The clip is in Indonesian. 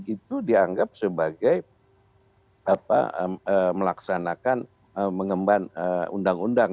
itu dianggap sebagai melaksanakan mengemban undang undang